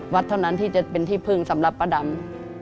วัดเท่านั้นที่จะเป็นที่พึ่งสำหรับป้าดำ